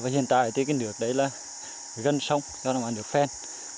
hiện tại nước đấy là gân sông gân nước phen